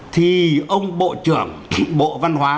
thì ông bộ trưởng bộ văn hóa